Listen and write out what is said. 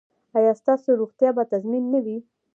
ایا ستاسو روغتیا به تضمین نه وي؟